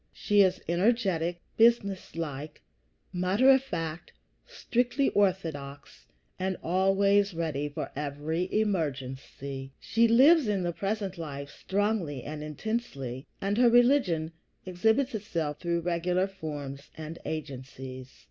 She is energetic, businesslike, matter of fact, strictly orthodox, and always ready for every emergency. She lives in the present life strongly and intensely, and her religion exhibits itself through regular forms and agencies.